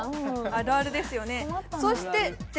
あるあるですよね。